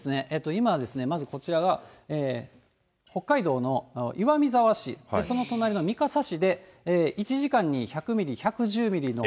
今はまずこちらが、北海道の岩見沢市、その隣のみかさ市で、１時間に１００ミリ、１１０ミリの。